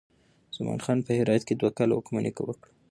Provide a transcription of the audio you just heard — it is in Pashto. زمان خان په هرات کې دوه کاله واکمني وکړه.